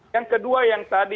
yang kedua yang tadi